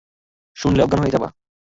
শুনলে অজ্ঞান হয়ে যাবা।